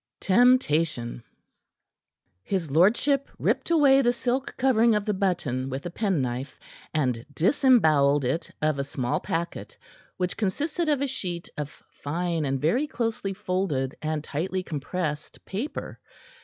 TEMPTATION His lordship ripped away the silk covering of the button with a penknife, and disembowelled it of a small packet, which consisted of a sheet of fine and very closely folded and tightly compressed paper.